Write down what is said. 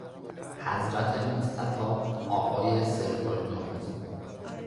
حضرت مستطاب آقای سرپال جونز